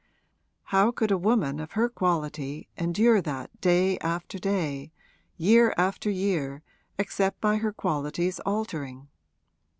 How could a woman of her quality endure that day after day, year after year, except by her quality's altering?